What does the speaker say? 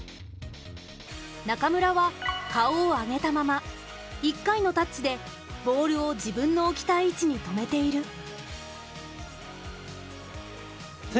中村は顔を上げたまま１回のタッチでボールを自分の置きたい位置に止めている。